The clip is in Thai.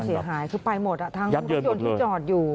คือไปหมดอะทางพุทธยนต์ที่จอดอยู่